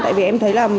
tại vì em thấy là